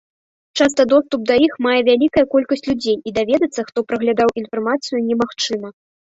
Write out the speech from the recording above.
Часта доступ да іх мае вялікая колькасць людзей і даведацца, хто праглядаў інфармацыю, немагчыма.